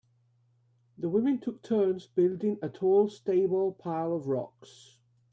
The women took turns building a tall stable pile of rocks.